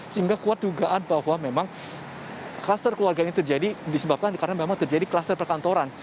sehingga kuat dugaan bahwa memang kluster keluarga ini terjadi disebabkan karena memang terjadi kluster perkantoran